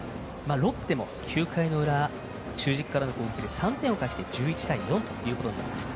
ロッテも９回の裏中軸からの攻撃で３点をかえして１１対４ということになりました。